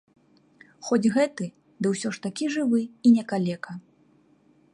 Хоць гэты, ды ўсё ж такі жывы і не калека.